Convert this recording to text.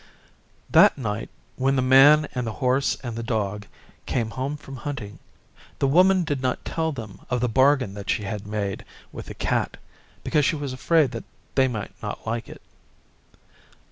That night when the Man and the Horse and the Dog came home from hunting, the Woman did not tell them of the bargain that she had made with the Cat, because she was afraid that they might not like it.